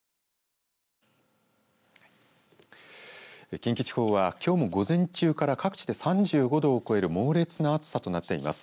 近畿地方は、きょうも午前中から各地で３５度を超える猛烈な暑さとなっています。